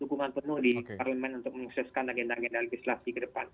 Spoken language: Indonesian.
dukungan penuh di parlemen untuk mengususkan agenda agenda legislasi kedepan